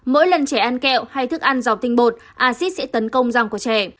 mỗi lần trẻ ăn kẹo hay thức ăn dọc tinh bột acid sẽ tấn công răng của trẻ